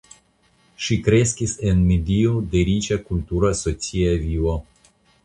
Ŝi kreskis en medio de riĉa kultura socia vivo.